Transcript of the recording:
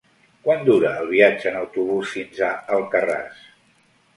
Quant dura el viatge en autobús fins a Alcarràs?